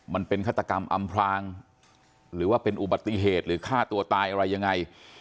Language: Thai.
มันเป็นฆาตกรรมอำพรางหรือว่าเป็นอุบัติเหตุหรือฆ่าตัวตายอะไรยังไง